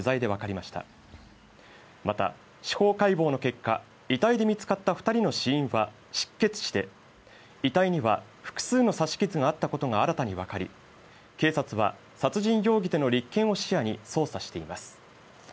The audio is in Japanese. また、司法解剖の結果遺体で見つかった２人の死因は失血しで遺体には複数の刺し傷があったことが新たに分かり警察は殺人容疑での立件を視野に捜査しています。